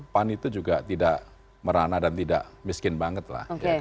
pan itu juga tidak merana dan tidak miskin banget lah